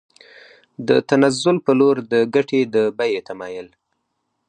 د تنزل په لور د ګټې د بیې تمایل